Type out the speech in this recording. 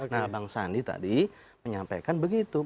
nah bang sandi tadi menyampaikan begitu